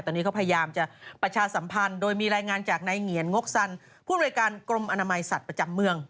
ตอนนี้เขาพยายามจะประชาสัมพันธ์โดยมีรายงานจากนายเหงียนงกสันผู้อำนวยการกรมอนามัยสัตว์ประจำเมือง